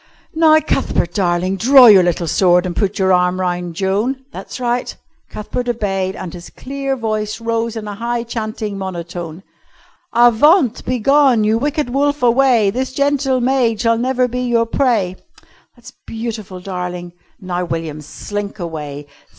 "Now, Cuthbert, darling, draw your little sword and put your arm round Joan. That's right." Cuthbert obeyed, and his clear voice rose in a high chanting monotone. "Avaunt! Begone! You wicked wolf, away! This gentle maid shall never be your prey." "That's beautiful, darling. Now, William, slink away.